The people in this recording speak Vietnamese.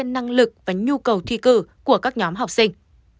năng lực và nhu cầu thi cử của các nhóm học sinh